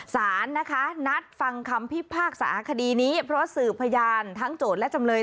สารนะคะนัดฟังคำพิพากษาคดีนี้เพราะสื่อพยานทั้งโจทย์และจำเลย